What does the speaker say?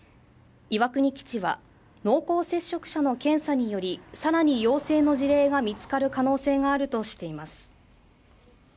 岩国基地は濃厚接触者の検査により更に陽性の事例が見つかる可能性があるとしています